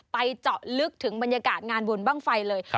เจาะลึกถึงบรรยากาศงานบุญบ้างไฟเลย